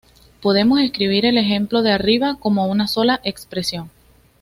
Podemos escribir el ejemplo de arriba como una sola expresión.